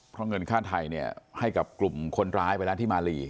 เพราะเงินค่าไทยเนี่ยให้กับกลุ่มคนร้ายไปแล้วที่มาลี